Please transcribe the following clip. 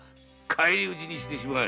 返り討ちにしてしまえ。